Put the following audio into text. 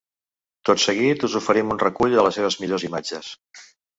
Tot seguit us oferim un recull de les seves millors imatges.